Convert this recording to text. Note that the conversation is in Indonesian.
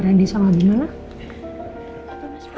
brandi sama gimana